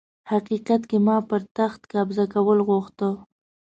حقيقت کي ما پر تخت قبضه کول غوښته